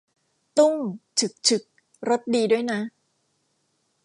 ตุ้ง ฉึก ฉึก รสดีด้วยนะ